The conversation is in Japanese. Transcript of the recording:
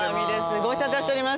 ご無沙汰しております。